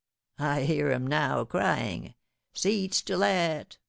I hear 'em now crying, 'Seats to let!